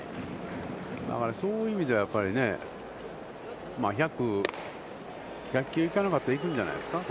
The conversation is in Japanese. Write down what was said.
だから、そういう意味では、１００球行かなかったら、行くんじゃないですか。